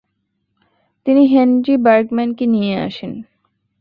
তিনি হেনরি বার্গম্যানকে নিয়ে আসেন।